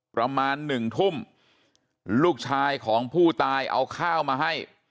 ประมาณหนึ่งทุ่มลูกชายของผู้ตายเอาข้าวมาให้